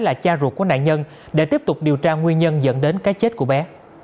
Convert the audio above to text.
là cha ruột của nạn nhân để tiếp tục điều tra nguyên nhân dẫn đến cái chết của bé